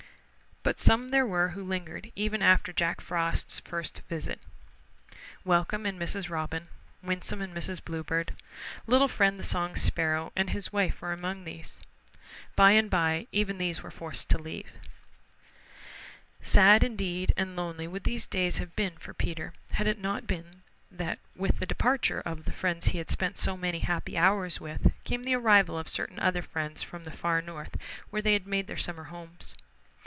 But some there were who lingered even after Jack Frost's first visit. Welcome and Mrs. Robin, Winsome and Mrs. Bluebird. Little Friend the Song Sparrow and his wife were among these. By and by even they were forced to leave. Sad indeed and lonely would these days have been for Peter had it not been that with the departure of the friends he had spent so many happy hours with came the arrival of certain other friends from the Far North where they had made their summer homes.